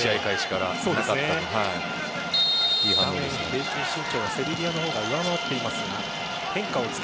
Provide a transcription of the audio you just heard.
平均身長はセルビアのほうが上回っています。